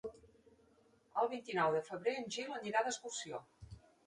El vint-i-nou de febrer en Gil anirà d'excursió.